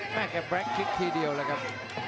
แม่งแค่แบรกคลิกทีเดียวเลยครับ